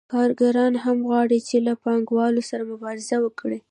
کارګران هم غواړي چې له پانګوالو سره مبارزه وکړي